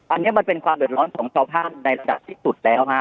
อันนี้มันเป็นความเดือดร้อนของชาวบ้านในระดับที่สุดแล้วฮะ